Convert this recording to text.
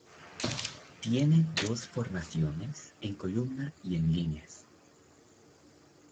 Tiene dos formaciones: en columna y en líneas.